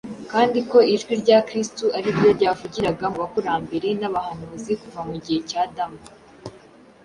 kandi ko ijwi rya Kristo ari ryo ryavugiraga mu bakurambere n’abahanuzi kuva mu gihe cy’ Adamu.